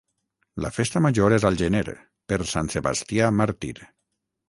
La festa major és al gener, per Sant Sebastià màrtir.